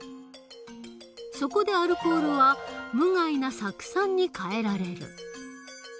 そこでアルコールは無害な酢酸に変えられる。